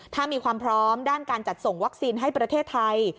ถ้ามีความพร้อมด้านการจัดส่งวัคซีนให้ประเทศไทย